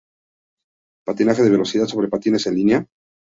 Patinaje de velocidad sobre patines en línea